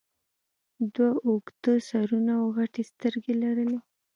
دوی اوږده سرونه او غټې سترګې لرلې